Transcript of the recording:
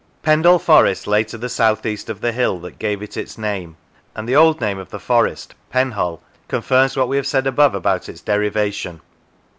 Pendle Forest lay to the south east of the hill that gave it its name, and the old name of the forest, Penhull, confirms what we have said above about its derivation.